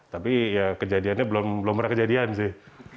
tapi ya kejadiannya belum pernah kejadian sih